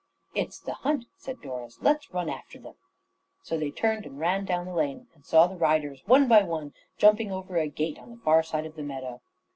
"It's the hunt," said Doris. "Let's run after them," so they turned and ran down the lane, and saw the riders, one by one, jumping over a gate on the far side of the meadow.